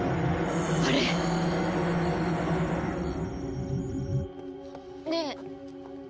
あれねえ